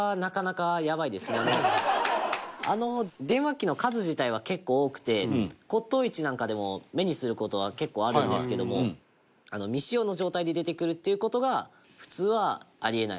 電話機の数自体は、結構多くて骨董市なんかでも、目にする事は結構あるんですけども未使用の状態で出てくるっていう事が普通は、あり得ない。